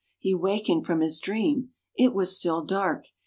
He wakened from his dream. It was still dark.